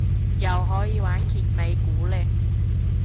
又可以玩揭尾故嘞